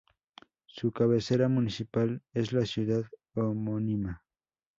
Su cabecera municipal es la ciudad homónima.